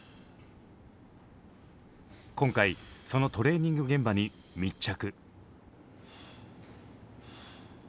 今回そのトレーニング現場に密着。